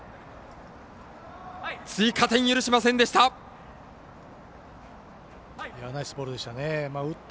追加点、許しませんでした。